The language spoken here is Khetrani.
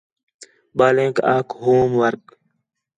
ٻالینک آکھ ہوم ورک